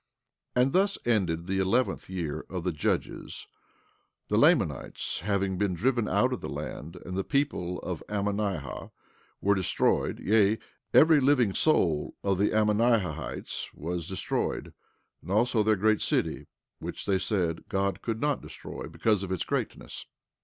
16:9 And thus ended the eleventh year of the judges, the Lamanites having been driven out of the land, and the people of Ammonihah were destroyed; yea, every living soul of the Ammonihahites was destroyed, and also their great city, which they said God could not destroy, because of its greatness.